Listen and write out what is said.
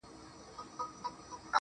هغې ليونۍ بيا د غاړي هار مات کړی دی.